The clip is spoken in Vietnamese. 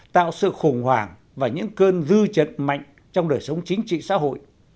tạo sự khủng hoảng và những cơn dư chật mạnh trong đời sống chính trị xã hội